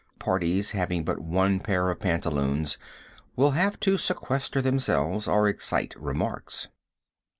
Parties having but one pair of pantaloons will have to sequester themselves or excite remarks.